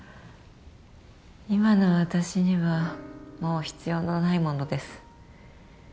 今の私にはもう必要のないものです